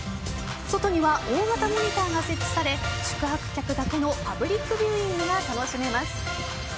外には大型モニターが設置され宿泊客だけのパブリックビューイングが楽しめます。